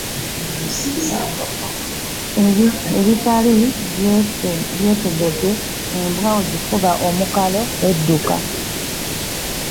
Ebitali byetegeke , embwa bajikuba omukalo edduka.